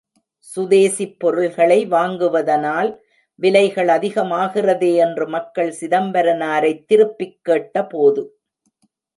சுதேசிப் பொருள்களை வாங்குவதானால் விலைகள் அதிகமாகிறதே என்று மக்கள் சிதம்பரனாரைத் திருப்பிக் கேட்ட போது.